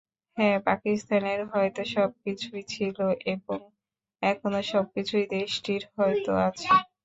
হ্যাঁ, পাকিস্তানের হয়তো সবকিছুই ছিল এবং এখনো সবকিছুই দেশটির হয়তো আছে।